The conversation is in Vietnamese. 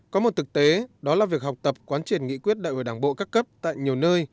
có một thực tế đó là việc học tập quán triển nghị quyết đại hội đảng bộ các cấp tại nhiều nơi